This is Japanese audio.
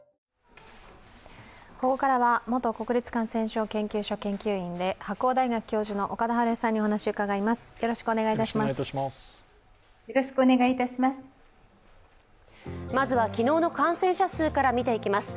ここからは元国立感染症研究所研究員で白鴎大学教授の岡田晴恵さんにお話をうかがいます。